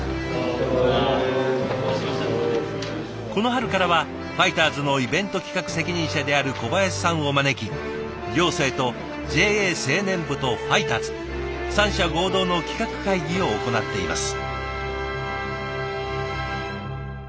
この春からはファイターズのイベント企画責任者である小林さんを招き行政とＪＡ青年部とファイターズ三者合同の企画会議を行っています。